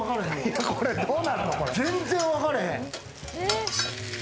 全然わかれへん。